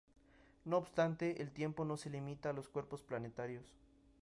No obstante, el tiempo no se limita a los cuerpos planetarios.